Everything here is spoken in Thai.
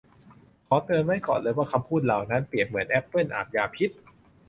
ขอเตือนไว้ก่อนเลยว่าคำพูดเหล่านั้นเปรียบเหมือนแอปเปิลอาบยาพิษ